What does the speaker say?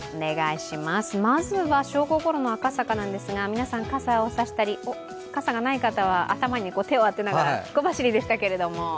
まずは、正午ごろの赤坂なんですが皆さん傘を差したり傘がない方は手をあてながら小走りでしたけども。